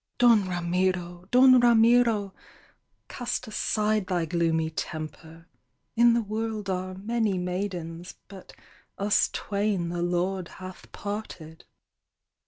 "Don Ramiro! Don Ramiro! Cast aside thy gloomy temper. In the world are many maidens, But us twain the Lord hath parted.